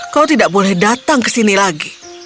kau tidak boleh datang ke sini lagi